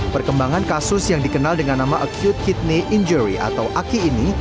perkembangan kasus yang dikenal dengan nama acute kidney injury atau aki ini